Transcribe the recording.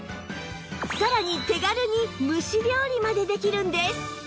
さらに手軽に蒸し料理までできるんです